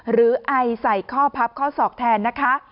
หรือไอใส่ข้อพับข้อศอกแทนนะคะ